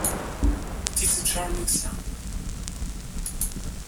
'Tis a Charming Sound.